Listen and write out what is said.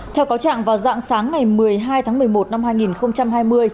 theo cáo trạng vào dạng sáng ngày một mươi hai tháng một mươi một năm hai nghìn hai mươi